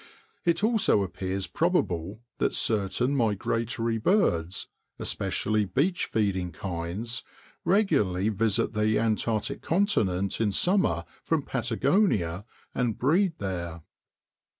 It also appears probable that certain migratory birds—especially beach feeding kinds—regularly visit the Antarctic continent in summer from Patagonia, and breed there.